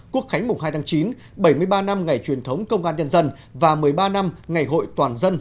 quốc khánh mùng hai tháng chín bảy mươi ba năm ngày truyền thống công an nhân dân và một mươi ba năm ngày hội toàn dân